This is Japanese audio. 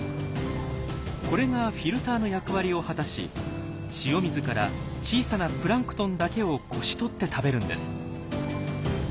これがフィルターの役割を果たし塩水から小さなプランクトンだけをこし取って食べるんです。